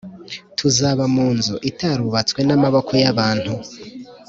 Tuzaba mu nzu itarubatswe n’amaboko y’abantu